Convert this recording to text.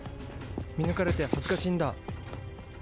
見抜かれて恥ずかしいんだ。